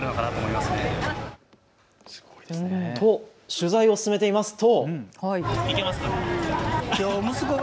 取材を進めていますと。